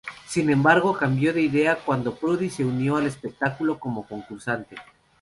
Sin embargo, cambió de idea cuando Purdy se unió al espectáculo como concursante.